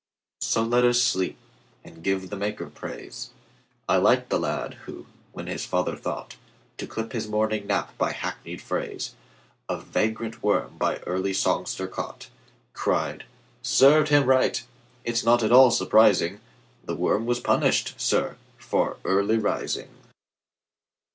So let us sleep, and give the Maker praise.I like the lad who, when his father thoughtTo clip his morning nap by hackneyed phraseOf vagrant worm by early songster caught, Cried, "Served him right!—it 's not at all surprising; The worm was punished, sir, for early rising!"